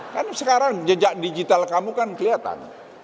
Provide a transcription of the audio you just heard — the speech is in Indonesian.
karena sekarang jejak digital kamu kan kelihatan